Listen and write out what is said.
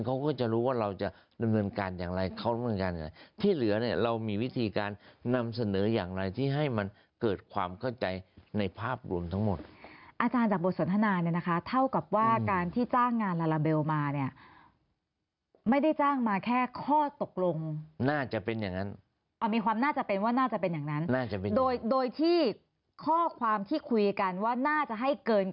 เขาคือความรับผิดชอบอยู่อังการพิเศษฝ่ายขณะขณะขวมใช้โทษอายธรณมุรี๒